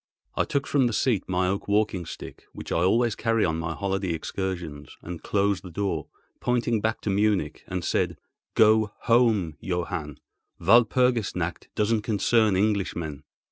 I took from the seat my oak walking stick—which I always carry on my holiday excursions—and closed the door, pointing back to Munich, and said, "Go home, Johann—Walpurgis nacht doesn't concern Englishmen."